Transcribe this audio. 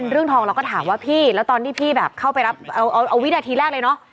เรื่องทองเราก็ถามว่าพี่แล้วตอนที่พี่แบบเข้าไปรับเอาวินาทีแรกเลยเนอะ